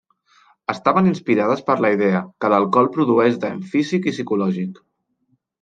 Estaven inspirades per la idea que l'alcohol produeix dany físic i psicològic.